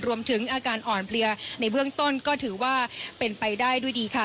รวมถึงอาการอ่อนเพลียในเบื้องต้นก็ถือว่าเป็นไปได้ด้วยดีค่ะ